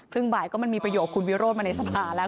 ครึ่งบ่ายก็มันมีประโยชน์คุณวิโรธมาในสม่าแล้ว